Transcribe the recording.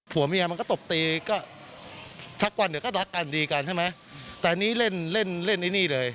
ผัวเมียมันก็ตบตีก็สักวันเดี๋ยวก็รักกันดีกันใช่ไหมแต่อันนี้เล่นเล่นเล่นไอ้นี่เลย